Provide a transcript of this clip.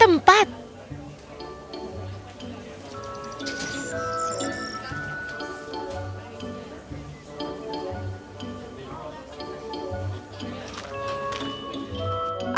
mengerjakan pemasanganku dengan baik